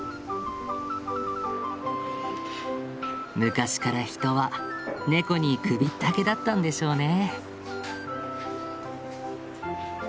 昔から人はネコに首ったけだったんでしょうね。